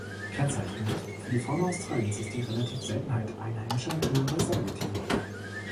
Kennzeichnend für die Fauna Australiens ist die relative Seltenheit einheimischer höherer Säugetiere.